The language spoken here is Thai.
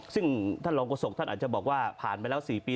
ซึ่งท่านรองโฆษกท่านอาจจะบอกว่าผ่านไปแล้ว๔ปี